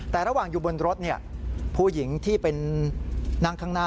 แต่ระหว่างอยู่บนรถผู้หญิงที่เป็นนั่งข้างหน้า